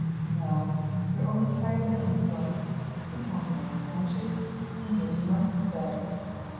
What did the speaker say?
"No. You're only tired and unstrung. Come home now, won't you. Indeed you mustn't stay."